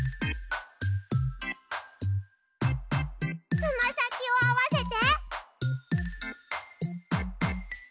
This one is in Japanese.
つまさきをあわせて！